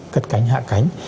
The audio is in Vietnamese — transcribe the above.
cất cánh hạ cánh